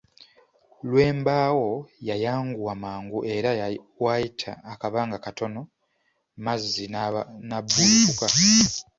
Lwembaawo yayanguwa mangu era waayita akabagna katono Mazzi nabbulukuka.